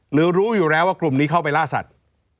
รู้อยู่แล้วว่ากลุ่มนี้เข้าไปล่าสัตว์